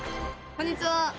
こんにちは。